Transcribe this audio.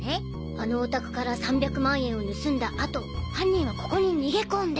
あのお宅から３００万円を盗んだ後犯人はここに逃げ込んで。